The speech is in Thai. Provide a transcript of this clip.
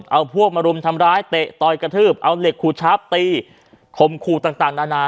เอาพวกมารุมทำร้ายเตะต่อยกระทืบเอาเหล็กขูดชับตีข่มขู่ต่างต่างนานา